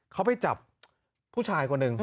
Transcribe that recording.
เขาไปจับผู้ชายคนหนึ่ง